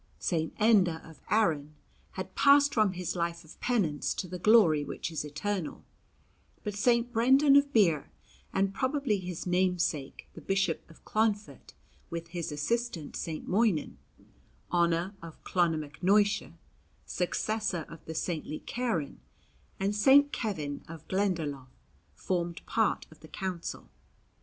St. Enda of Aran had passed from his life of penance to the glory which is eternal; but St. Brendan of Birr, and probably his namesake the Bishop of Clonfert, with his assistant St. Moinen, Oena of Clonmacnoise, successor of the saintly Ciaran, and St. Kevin of Glendalough, formed part of the Council.